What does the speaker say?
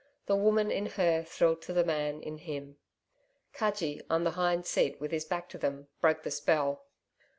The Woman in her thrilled to the Man in him. Cudgee, on the hind seat with his back to them, broke the spell.